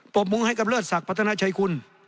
ปลบมือให้กับเลือดศักดิ์พัฒนาชายคุณ